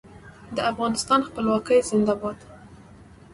د افغانستان خپلواکي زنده باد.